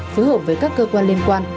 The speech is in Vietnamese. phối hợp với các cơ quan liên quan